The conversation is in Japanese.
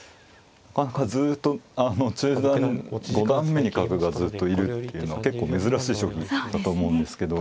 ずっと中段五段目に角がずっといるっていうのは結構珍しい将棋だと思うんですけど。